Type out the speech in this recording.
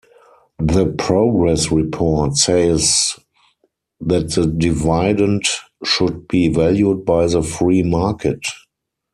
"The Progress Report" says that the dividend should be valued by the free market.